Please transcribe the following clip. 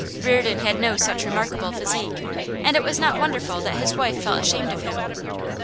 Reardon had no such remarkable physique, and it was not wonderful that his wife felt ashamed of him.